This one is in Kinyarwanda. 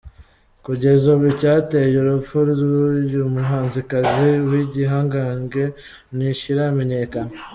Kugeza ubu, icyateye urupfu rw’uyu muhanzikazi w’igihangange ntikiramenyakana.